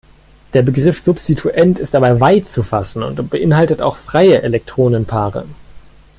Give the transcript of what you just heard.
Der Begriff Substituent ist dabei weit zu fassen und beinhaltet auch freie Elektronenpaare.